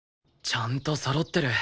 ちゃんとそろってる！